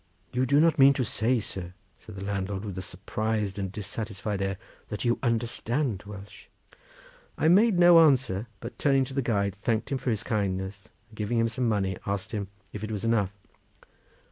"You do not mean to say, sir," said the landlord, with a surprised and dissatisfied air, "that you understand Welsh?" I made no answer, but turning to the guide, thanked him for his kindness, and giving him some money, asked him if that was enough.